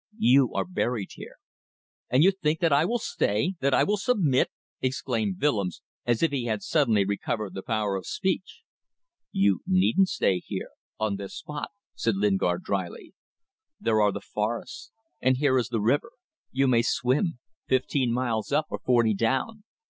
You are buried here." "And you think that I will stay ... that I will submit?" exclaimed Willems, as if he had suddenly recovered the power of speech. "You needn't stay here on this spot," said Lingard, drily. "There are the forests and here is the river. You may swim. Fifteen miles up, or forty down.